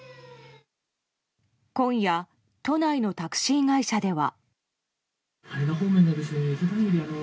今夜、都内のタクシー会社では。